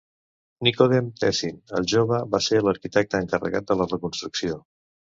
Nicodem Tessin el Jove va ser l'arquitecte encarregat de la reconstrucció.